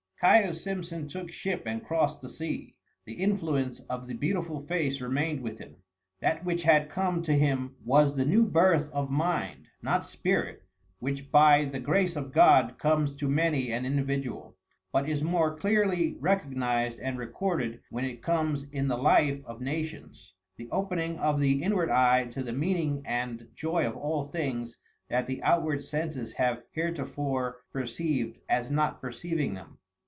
Caius Simpson took ship and crossed the sea. The influence of the beautiful face remained with him. That which had come to him was the new birth of mind (not spirit), which by the grace of God comes to many an individual, but is more clearly recognised and recorded when it comes in the life of nations the opening of the inward eye to the meaning and joy of all things that the outward senses have heretofore perceived as not perceiving them.